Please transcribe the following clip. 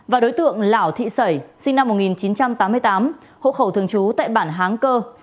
và đối tượng lảo thị sẩy sinh năm một nghìn chín trăm tám mươi tám hộ khẩu thường trú tại bản háng cơ